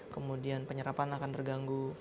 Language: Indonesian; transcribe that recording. kemudian penyerapan akan terganggu